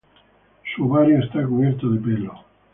Su ovario está cubierto de pelo.